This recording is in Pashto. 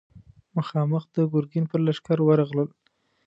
مخامخ د ګرګين پر لښکر ورغلل.